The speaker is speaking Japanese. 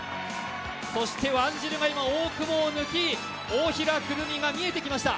ワンジルが今、大久保を抜き、大平くるみが見えてきました。